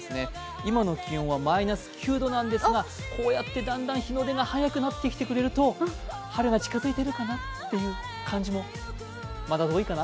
今の気温はマイナス９度なんですがこうやってだんだん日の出が早くなってきてくれると、春が近づいてきているかなという感じもまだ遠いかな。